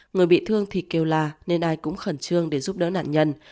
người bị thương thì kêu là nên ai cũng khẩn trương để giúp đỡ nạn nhân